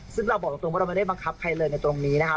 ซึ่งเราบอกตรงว่าเราไม่ได้บังคับใครเลยในตรงนี้นะครับ